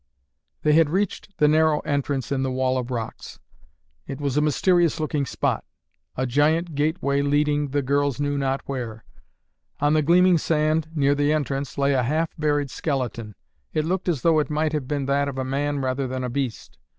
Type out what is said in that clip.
They had reached the narrow entrance in the wall of rocks. It was a mysterious looking spot; a giant gateway leading, the girls knew not where. On the gleaming sand near the entrance lay a half buried skeleton. It looked as though it might have been that of a man rather than a beast.